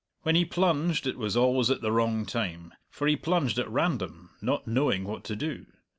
When he plunged it was always at the wrong time, for he plunged at random, not knowing what to do.